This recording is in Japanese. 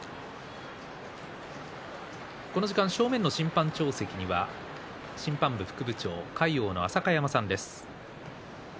この時間正面の審判長席には審判部副部長の魁皇の浅香山さんです。